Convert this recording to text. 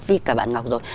vì cả bạn ngọc rồi